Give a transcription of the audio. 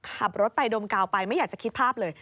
ขับรถไปดมกาวไปไม่อยากจะคิดภาพเลย